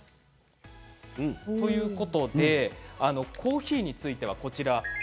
ということでコーヒーについては、こちらです。